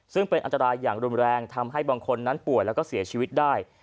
ซึ่งเป็นอันตรายอย่างรุนแรงทำให้บางคนนั้นป่วยแล้วก็เสียชีวิตได้